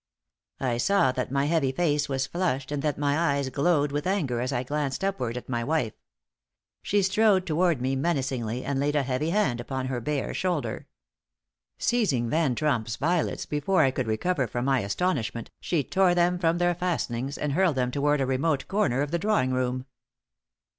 I saw that my heavy face was flushed and that my eyes glowed with anger as I glanced upward at my wife. She strode toward me menacingly, and laid a heavy hand upon her bare shoulder. Seizing Van Tromp's violets, before I could recover from my astonishment, she tore them from their fastenings, and hurled them toward a remote corner of the drawing room.